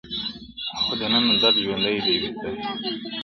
• خو دننه درد ژوندی وي تل,